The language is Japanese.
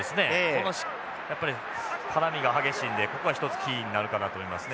このやっぱり絡みが激しいのでここは一つキーになるかと思いますね。